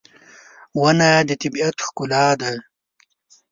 • ونه د طبیعت ښکلا ده.